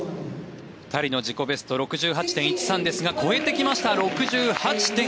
２人の自己ベストは６８．１３を超えてきました。